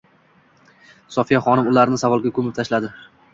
Sofiya xonim ularni savolga ko`mib tashladi